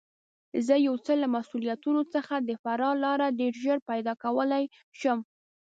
زه یو څه له مسوولیته څخه د فرار لاره ډېر ژر پیدا کولای شم.